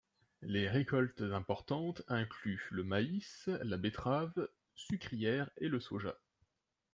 Les récoltes importantes incluent le maïs, la betterave sucrière, et le soja.